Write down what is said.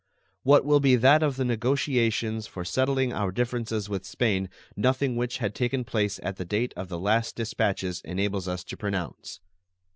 What will be that of the negotiations for settling our differences with Spain nothing which had taken place at the date of the last dispatches enables us to pronounce.